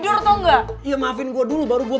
di mana kamu enggak